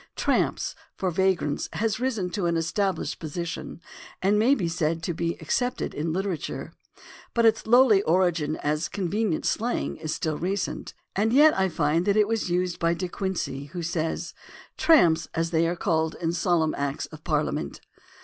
"Tramps" for vagrants has risen to an estabhshed position and may be said to be accepted in literature. But its lowly origin as convenient slang is still recent, and yet I find that it was used by De Quincey (Con fessions, vol. I, p. 147), who says, "tramps as they are called in Solemn Acts of Parhament."